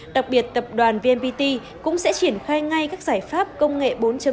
đặc biệt tập đoàn vnpt cũng sẽ triển khai ngay các giải pháp công nghệ bốn